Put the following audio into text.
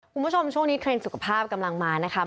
คุณผู้ชมช่วงนี้เทรนด์สุขภาพกำลังมานะคะ